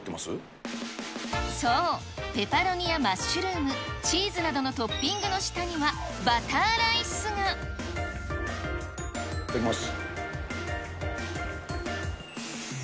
そう、ペパロニやマッシュルーム、チーズなどのトッピングの下にはいただきます。